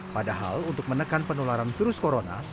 padahal untuk menekan penularan virus corona